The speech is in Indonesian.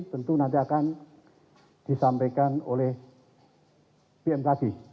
tentu nanti akan disampaikan oleh bmkg